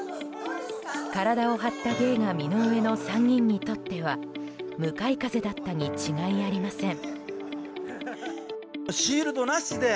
体を張った芸が身の上の３人にとっては向かい風だったに違いありません。